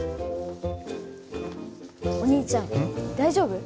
お兄ちゃん大丈夫？